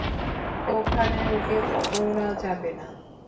এখানে ওকে পোড়া যাবে না।